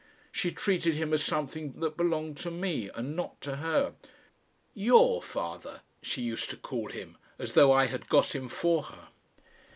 She treated him as something that belonged to me and not to her. "YOUR father," she used to call him, as though I had got him for her.